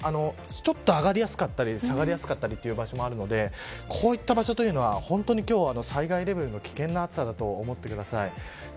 ちょっと上がりやすかったり下がりやすかったりという場所もあるのでこういった場所は災害レベルの危険な暑さだと思ってください。